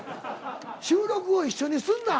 収録を一緒にするな！